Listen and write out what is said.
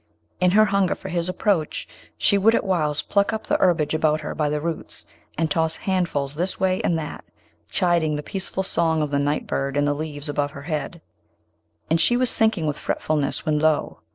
In her hunger for his approach, she would at whiles pluck up the herbage about her by the roots, and toss handfuls this way and that, chiding the peaceful song of the nightbird in the leaves above her head; and she was sinking with fretfulness, when lo!